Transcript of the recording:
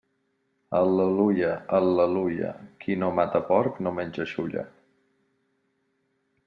Al·leluia, al·leluia, qui no mata porc no menja xulla.